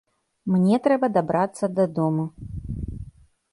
Мне трэба дабрацца дадому!